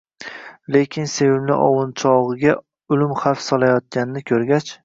Lekin sevimli ovunchogʻiga oʻlim xavf solayotganini koʻrgach